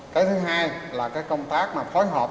cái thứ hai là công tác phối hợp